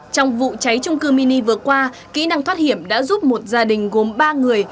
trong vụ cháy trung cư mini vừa qua kỹ năng thoát hiểm đã giúp một gia đình gồm ba người